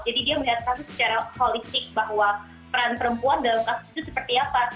jadi dia melihat kasus secara holistik bahwa peran perempuan dalam kasus itu seperti apa